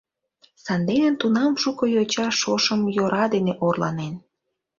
Сандене тунам шуко йоча шошым йора дене орланен.